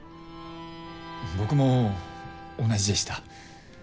僕も同じでした。